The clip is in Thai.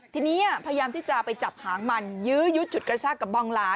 ทีนี้พยายามที่จะไปจับหางมันยื้อยุดฉุดกระชากกับบองหลา